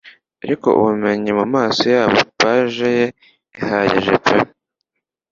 Ariko Ubumenyi mumaso yabo page ye ihagije pe